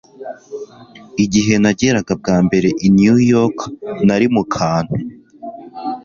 Igihe nageraga bwa mbere i New York nari mu kantu